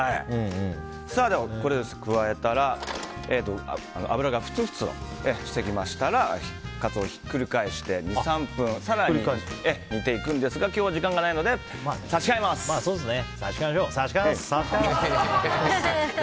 これを加えて油がふつふつとしてきましたらカツオをひっくり返して２３分更に煮ていくんですが今日は時間がないのでまあ、そうですね。